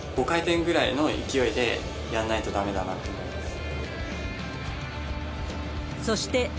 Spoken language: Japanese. ５回転ぐらいの勢いでやんないとだめだなって思います。